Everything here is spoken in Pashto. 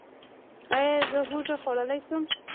ایا زه هوږه خوړلی شم؟